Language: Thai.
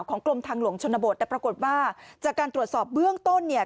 กรมทางหลวงชนบทแต่ปรากฏว่าจากการตรวจสอบเบื้องต้นเนี่ย